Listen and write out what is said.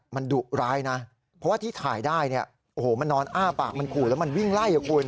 มันดุร้ายนะเพราะว่าที่ถ่ายได้เนี่ยโอ้โหมันนอนอ้าปากมันขู่แล้วมันวิ่งไล่อ่ะคุณ